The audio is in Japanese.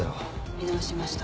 見直しました。